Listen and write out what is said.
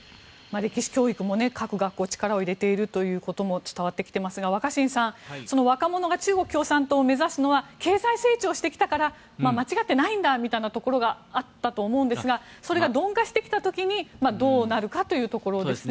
歴史教育も各学校も力を入れているということが伝わってきていますが若新さん、若者が中国共産党を目指すのは経済成長してきたから間違ってないんだみたいなところがあったと思うんですがそれが鈍化してきた時にどうなるかというところですね。